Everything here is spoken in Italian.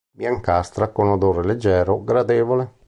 Biancastra, con odore leggero, gradevole.